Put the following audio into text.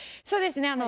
そうですね。